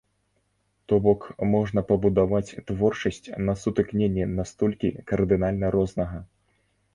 То бок можна пабудаваць творчасць на сутыкненні настолькі кардынальна рознага.